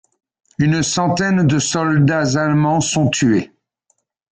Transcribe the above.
Une centaine de soldats allemands sont tués.